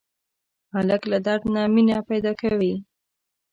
هلک له درد نه مینه پیدا کوي.